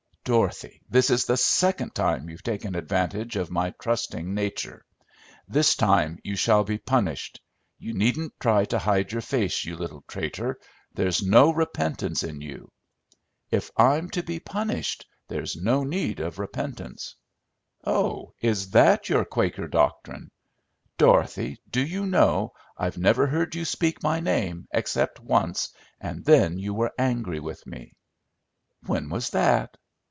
"Dorothy, this is the second time you've taken advantage of my trusting nature. This time you shall be punished. You needn't try to hide your face, you little traitor. There's no repentance in you!" "If I'm to be punished there's no need of repentance." "Oh, is that your Quaker doctrine? Dorothy, do you know, I've never heard you speak my name, except once, and then you were angry with me." "When was that?"